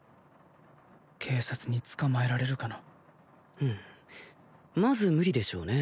警察に捕まえられるかなうんまず無理でしょうね